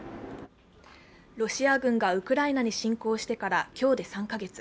ロシア軍がウクライナに侵攻してから今日で３カ月。